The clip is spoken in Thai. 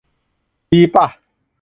ดีป่ะ ?